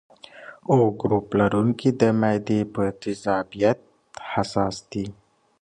O ګروپ لرونکي د معدې په تیزابیت حساس دي.